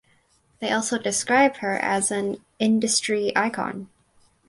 They also describe her as an "Industry Icon".